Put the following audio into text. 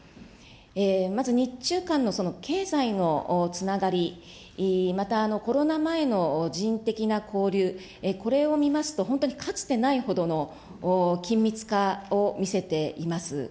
まず日中間のその経済のつながり、またコロナ前の人的な交流、これを見ますと、本当にかつてないほどの緊密化を見せています。